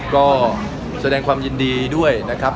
ก็แสดงความยินดีด้วยนะครับ